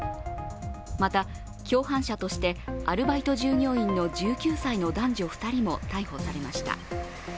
また、共犯者としてアルバイト従業員の１９歳の男女２人も逮捕されました。